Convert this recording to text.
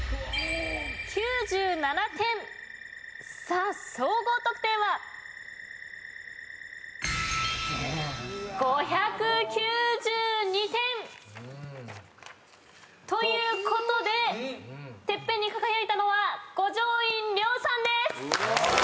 さあ総合得点は？ということでＴＥＰＰＥＮに輝いたのは五条院凌さんです！